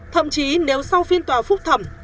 thậm chí nếu sau phiên tòa phúc thẩm